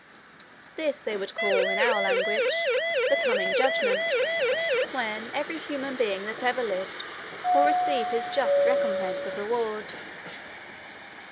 This they would call, in our language, the coming Judgment when every human being that ever lived will receive his just recompense of reward.